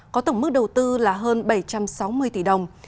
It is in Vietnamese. có tổng mức đầu tư là hơn bảy trăm sáu mươi tỷ đồng